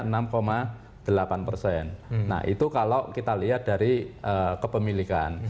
nah itu kalau kita lihat dari kepemilikan